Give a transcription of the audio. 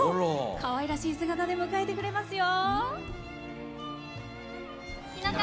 かわいらしい姿で迎えてくれますよ。